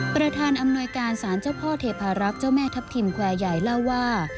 ประธานอำนวยการสารเจ้าพ่อเทพารักษ์เจ้าแม่ทัพทิมแควร์ใหญ่เล่าว่า